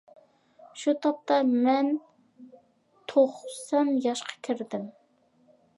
شۇ تاپتا مەن توقسەن ياشقا كىردىم.